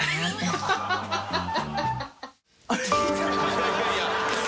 いやいやいや！